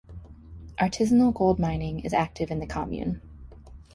Artisanal gold mining is active in the commune.